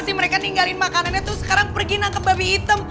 pasti mereka tinggalin makanannya terus sekarang pergi nangkep babi item